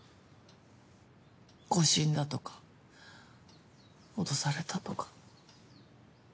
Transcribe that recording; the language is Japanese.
誤診だとか脅されたとか。